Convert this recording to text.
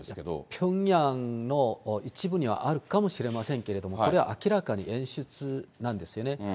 ピョンヤンの一部にはあるかもしれませんけれども、これは明らかに演出なんですよね。